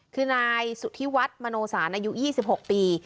คือนายสุธิวัฒน์มโนสารอายุ๒๖ปี